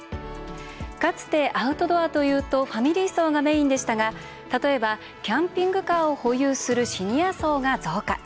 かつてアウトドアというとファミリー層がメインでしたが例えば、キャンピングカーを保有するシニア層が増加。